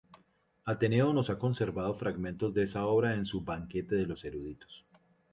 Ateneo nos ha conservado fragmentos de esta obra en su "Banquete de los eruditos".